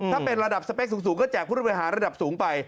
ถ้าเป็นระดับสเปคสูงก็แจกผู้บริหารระดับสูงไป